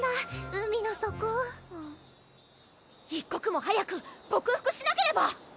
海の底一刻も早く克服しなければ！